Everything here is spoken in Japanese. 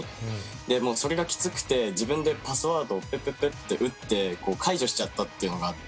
でもうそれがキツくて自分でパスワードをプププって打って解除しちゃったっていうのがあって。